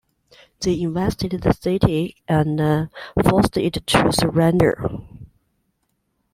They invested the city, and forced it to surrender.